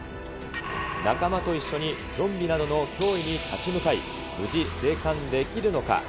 仲間と一緒にゾンビなどの脅威に立ち向かい、無事生還できるのか。